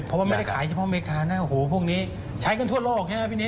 เพราะว่าไม่ได้ขายเฉพาะอเมริกานะโอ้โหพวกนี้ใช้กันทั่วโลกใช่ไหมพี่นิ